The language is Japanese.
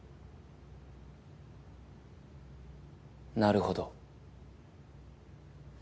なるほど。